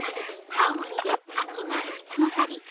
青森で秋満喫の旅